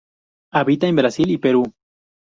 Habita en Brasil y Perú.